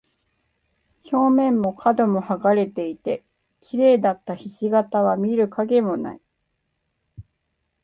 表面も角も剥がれていて、綺麗だった菱形は見る影もない。